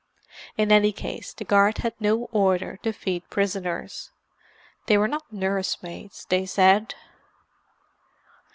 In any case the guard had no order to feed prisoners; they were not nurse maids, they said.